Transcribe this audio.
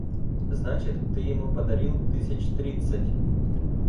Значит, ты ему подарил тысяч тридцать.